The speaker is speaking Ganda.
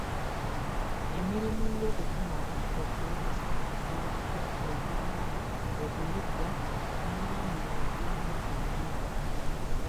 Emirimu ng’okukomaga, okuweesa, okubajja, okulima, okuyigga n’emirala girina ennyimba.